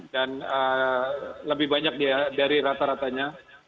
dan lebih banyak dari rata ratanya